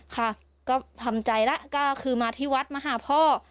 ค่ะก็ทำใจแล้วก็คือมาที่วัดมาหาพ่อ